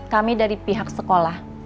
kami dari pihak sekolah